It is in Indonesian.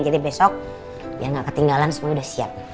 jadi besok yang gak ketinggalan semua udah siap